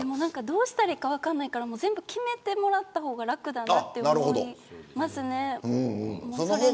どうしたらいいのか分からないから全部決めてもらった方が楽だなと思います。